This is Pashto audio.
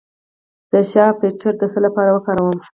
د شیا بټر د څه لپاره وکاروم؟